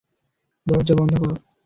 দরজা বন্ধ কর!